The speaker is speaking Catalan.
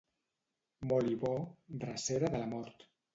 Molt i bo, drecera de la mort.